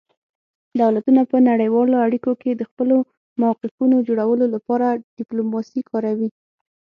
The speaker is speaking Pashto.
دولتونه په نړیوالو اړیکو کې د خپلو موقفونو جوړولو لپاره ډیپلوماسي کاروي